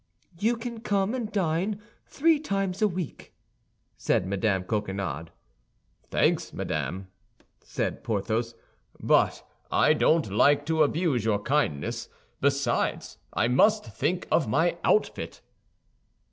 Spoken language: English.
"You can come and dine three times a week," said Mme. Coquenard. "Thanks, madame!" said Porthos, "but I don't like to abuse your kindness; besides, I must think of my outfit!"